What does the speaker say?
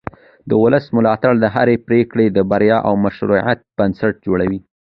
د ولس ملاتړ د هرې پرېکړې د بریا او مشروعیت بنسټ جوړوي